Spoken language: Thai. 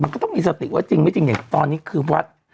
มันก็ต้องมีสติว่าจริงไม่จริงอย่างตอนนี้คือวัด